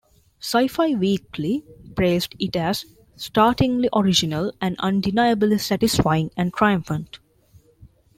"Sci Fi Weekly" praised it as "startlingly original" and "undeniably satisfying and triumphant.